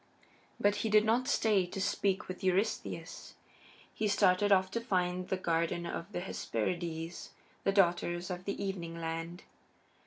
But he did not stay to speak with Eurystheus. He started off to find the Garden of the Hesperides, the Daughters of the Evening Land.